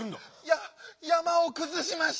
や「やまをくずしました」。